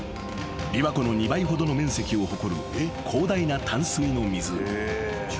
［琵琶湖の２倍ほどの面積を誇る広大な淡水の湖］